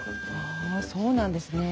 ああそうなんですね。